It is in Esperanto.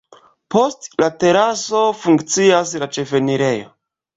Post la teraso funkcias la ĉefenirejo.